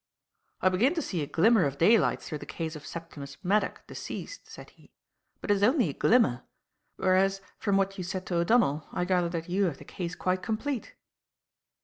"I begin to see a glimmer of daylight through the case of Septimus Maddock, deceased," said he; "but it is only a glimmer. Whereas, from what you said to O'Donnell, I gather that you have the case quite complete."